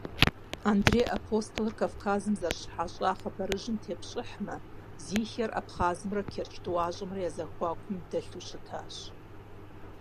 Андрей Апостолыр Кавказым зэрыщыхьэщӏа хъыбарыжьым тепщӏыхьмэ, Зихиер абхъазымрэ Керчь тӏуащӏэмрэ я зэхуакум дэлъу щытащ.